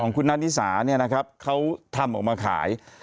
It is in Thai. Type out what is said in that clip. คุณนานิสาเนี่ยนะครับเขาทำออกมาขาย